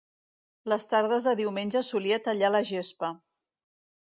Les tardes de diumenge solia tallar la gespa.